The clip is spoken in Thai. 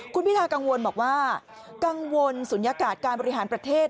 คุณพิทากังวลบอกว่ากังวลศูนยากาศการบริหารประเทศ